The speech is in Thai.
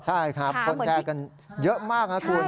ใช่ครับคนแชร์กันเยอะมากนะคุณ